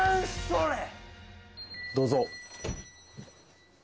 どうぞ。